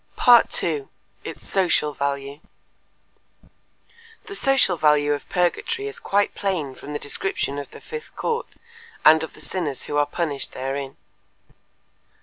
2. Its Social Value The social value of purgatory is quite plain from the description of the fifth court and of the sinners who are punished therein.